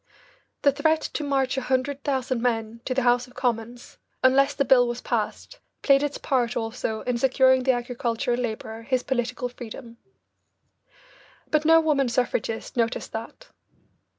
The threat to march a hundred thousand men to the House of Commons unless the bill was passed played its part also in securing the agricultural labourer his political freedom. But no woman suffragist noticed that.